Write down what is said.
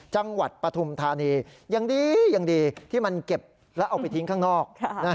ปฐุมธานียังดียังดีที่มันเก็บแล้วเอาไปทิ้งข้างนอก